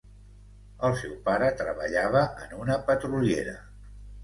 El seu pare treballava en una petroliera.